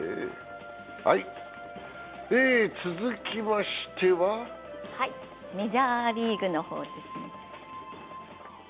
続きましてはメジャーリーグの方ですね。